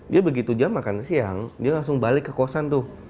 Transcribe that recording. dia begitu jam makan siang dia langsung balik ke kosan tuh